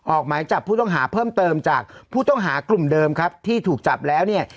ออกหมายจับผู้ต้องหาเพิ่มเติมจากผู้ต้องหากลุ่มเดิมครับที่ถูกจับแล้วเนี่ย